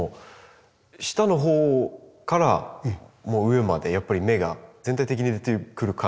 下の方から上までやっぱり芽が全体的に出てくる感じですか？